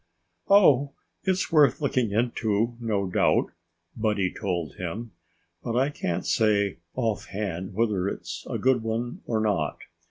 "Oh! It's worth looking into, no doubt," Buddy told him. "But I can't say offhand whether it's a good one or not....